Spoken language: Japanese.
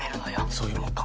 そういうもんか。